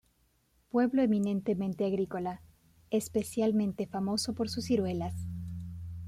Pueblo eminentemente agrícola, especialmente famoso por sus ciruelas.